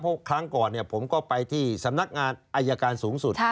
เพราะครั้งก่อนผมก็ไปที่สำนักงานอายการสูงสุด